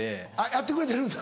やってくれてるんだ。